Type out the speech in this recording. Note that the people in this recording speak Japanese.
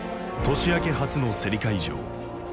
年明け初の競り会場。